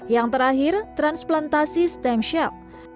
yang terakhir transplantasi stem shell